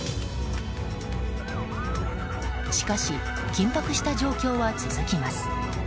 しかし、緊迫した状況は続きます。